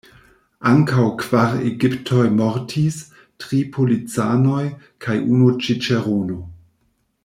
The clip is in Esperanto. Ankaŭ kvar egiptoj mortis: tri policanoj kaj unu ĉiĉerono.